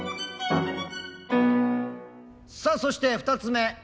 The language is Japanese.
さあそして２つ目。